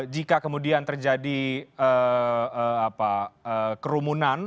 jika kemudian terjadi kerumunan